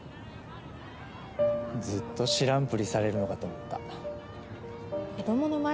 ずっと知らんぷりされるのかと思った。